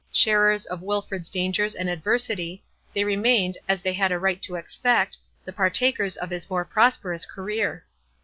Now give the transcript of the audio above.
Sharers of Wilfred's dangers and adversity, they remained, as they had a right to expect, the partakers of his more prosperous career.